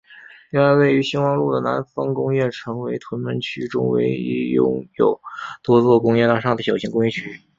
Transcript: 另外位于业旺路的南丰工业城为屯门区中唯一拥有多座工业大厦的小型工业区。